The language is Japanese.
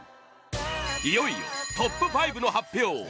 いよいよトップ５の発表